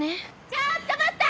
ちょっと待った！！